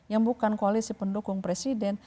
yang bukan koalisi pendukung presiden